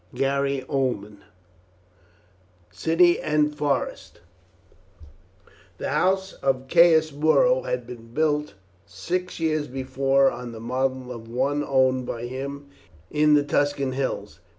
CHAPTER II: CITY AND FOREST The house of Caius Muro had been built six years before on the model of one owned by him in the Tuscan hills.